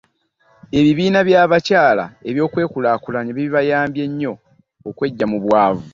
Ebibiina by'abakyala eby'okwekulaakulanya bibayambye nnyo okweggya mu bwavu.